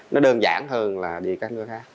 nó đơn giản hơn là đi các nước khác